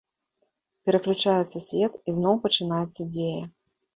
Пераключаецца свет, і зноў пачынаецца дзея.